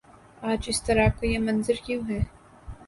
آج اضطراب کا یہ منظر کیوں ہے؟